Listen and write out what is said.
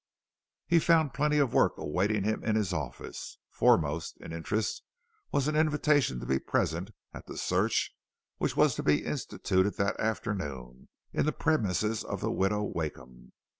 He found plenty of work awaiting him in his office. Foremost in interest was an invitation to be present at the search which was to be instituted that afternoon in the premises of the Widow Wakeham.